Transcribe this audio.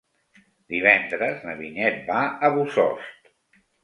Divendres na Vinyet va a Bossòst.